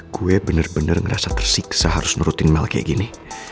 gue bener bener ngerasa tersiksa harus nurutin mel kayak gini